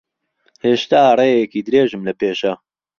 هێشتا ڕێیەکی درێژم لەپێشە.